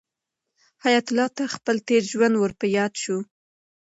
حیات الله ته خپل تېر ژوند ور په یاد شو.